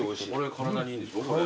体にいいんでしょ？